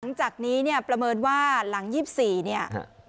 หลังจากนี้เนี่ยประเมินว่าหลัง๒๔เนี่ย